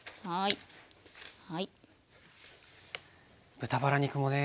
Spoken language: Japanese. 豚バラ肉もね